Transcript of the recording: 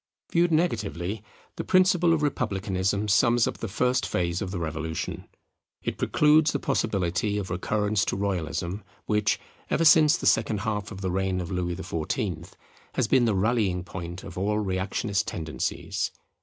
Viewed negatively, the principle of Republicanism sums up the first phase of the Revolution. It precludes the possibility of recurrence to Royalism, which, ever since the second half of the reign of Louis XIV, has been the rallying point of all reactionist tendencies.